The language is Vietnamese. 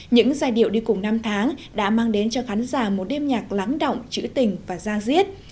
những giai điệu đi cùng năm tháng đã mang đến cho khán giả một đêm nhạc lắng động trữ tình và gia diết